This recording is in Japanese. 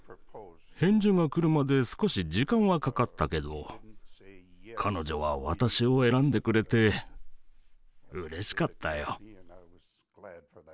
返事が来るまで少し時間はかかったけど彼女は私を選んでくれてうれしかったよ。